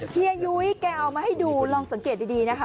เฮียยุ้ยแกเอามาให้ดูลองสังเกตดีนะคะ